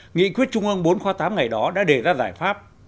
nghị quyết trung ương bốn khóa tám ngày đó đã đề ra giải pháp